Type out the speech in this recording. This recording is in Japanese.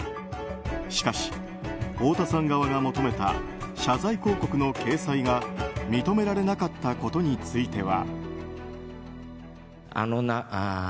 しかし、太田さん側が求めた謝罪広告の掲載が認められなかったことについては。